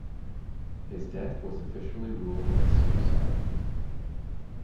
His death was officially ruled as suicide.